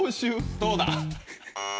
どうだ？